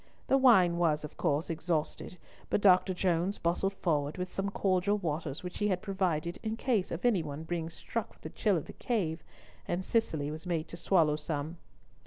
The wine was, of course, exhausted; but Dr. Jones bustled forward with some cordial waters which he had provided in case of anyone being struck with the chill of the cave, and Cicely was made to swallow some.